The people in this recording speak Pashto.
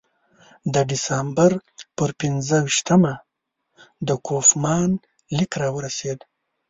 د ډسامبر پر پنځه ویشتمه د کوفمان لیک راورسېد.